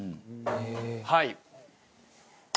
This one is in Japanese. はい。